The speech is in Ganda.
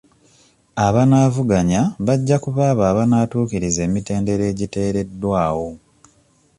Abanaavuganya bajja kuba abo abanaatuukiriza emitendera agiteereddwawo.